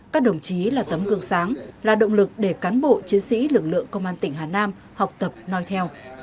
các đồng chí là tấm cường sáng là động lực để cán bộ chiến sĩ lực lượng công an tỉnh hà nam học tập nói theo